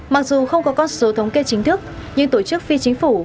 mặc dù không có con số thống kê chính thức nhưng tổ chức phi chính phủ